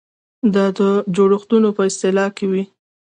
دا د جوړښتونو په اصلاح کې وي.